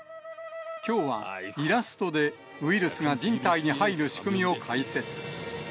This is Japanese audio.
きょうはイラストで、ウイルスが人体に入る仕組みを解説。